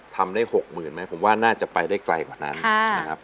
ทำได้๖๐๐๐ไหมผมว่าน่าจะไปได้ไกลกว่านั้นนะครับ